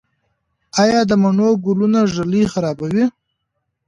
آیا د مڼو ګلونه ږلۍ خرابوي؟